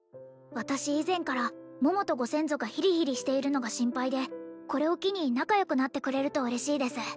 私以前から桃とご先祖がヒリヒリしているのが心配でこれを機に仲良くなってくれると嬉しいです